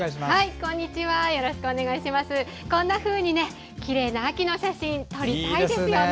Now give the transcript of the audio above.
こんなふうに、きれいな秋の写真撮りたいですよね。